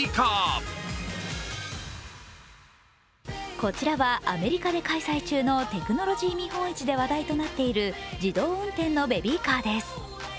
こちらは、アメリカで開催中のテクノロジー見本市で話題となっている自動運転のベビーカーです。